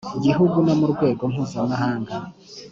gihugu no mu rwego mpuzamahanga